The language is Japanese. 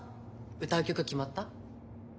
歌う曲決まった？